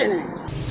cái đất này này